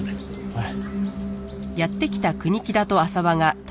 はい。